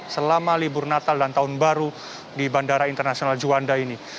selama libur natal dan tahun baru di bandara internasional juanda ini